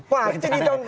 pasti di tahun politik